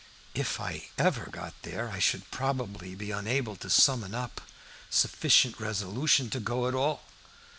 If I ever got there I should probably be unable to summon up sufficient resolution to go at all.